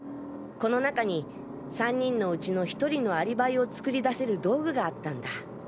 この中に３人のうちの１人のアリバイを作り出せる道具があったんだ。